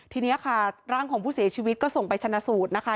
ทีนี้ค่ะร่างของผู้เสียชีวิตก็ส่งไปชนะสูตรนะคะ